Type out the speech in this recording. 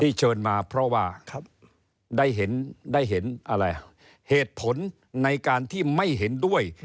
ที่เชิญมาเพราะว่าได้เห็นเหตุผลในการที่ไม่เห็นด้วย